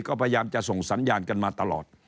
ก็พยายามจะส่งสัญญาณกันมาตลอด